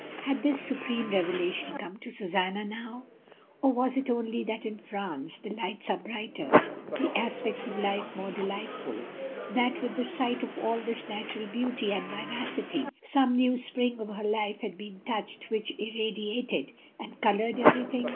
Had this supreme revelation come to Susanna, now? or was it only that in France the lights are brighter, the aspects ST. DAMIAN AND OTHERS. 73 of life more delightful — that with the sight of all this natural beauty and vivacity some new spring of her life had been touched which irradiated and coloured everything?